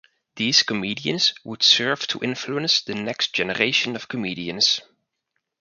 These comedians would serve to influence the next generation of comedians.